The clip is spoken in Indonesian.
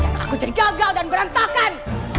jangan aku jadi gagal dan berantakan